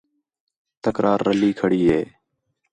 تکرار رلّی کھڑی ہِے